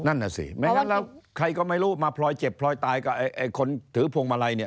นั่นน่ะสิใครก็ไม่รู้มาพลอยเจ็บพลอยตายกับคนถือพวงมาลัยเนี่ย